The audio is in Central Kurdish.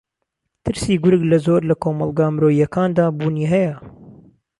ترسی گورگ لە زۆر لە کۆمەڵگا مرۆیییەکاندا بوونی ھەیە